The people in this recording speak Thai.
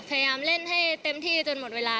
พยายามเล่นให้เต็มที่จนหมดเวลา